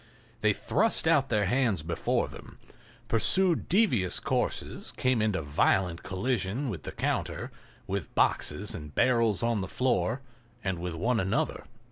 They thrust out their hands before them, pursued devious courses, came into violent collision with the counter, with boxes and barrels on the floor, and with one another.